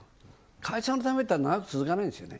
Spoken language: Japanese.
会社のためって長く続かないんですよね